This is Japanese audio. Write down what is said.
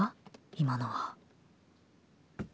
今のは。